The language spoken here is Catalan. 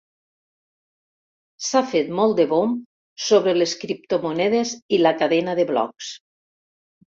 S'ha fet molt de bomb sobre les criptomonedes i la cadena de blocs.